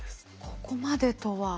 ここまでとは。